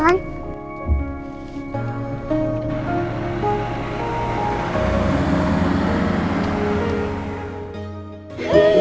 hidup di rumah